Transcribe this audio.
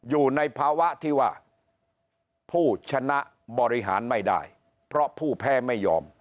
อยู่ในภาวะที่ว่าผู้ชนะบริหารไม่ได้เพราะผู้แพ้ไม่ยอม